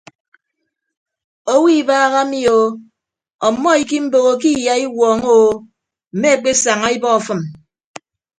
Owo ibaha mi o ọmmọ ikiimboho ke iyaiwuọñọ o mme ekpesaña ebọ afịm.